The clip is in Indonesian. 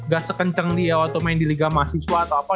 gak sekenceng dia waktu main di liga mahasiswa atau apa